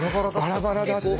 バラバラだった。